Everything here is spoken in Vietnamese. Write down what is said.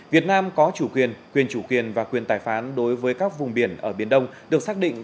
việt nam có chủ quyền quyền chủ quyền và quyền tài phán đối với các vùng biển ở biển đông được xác định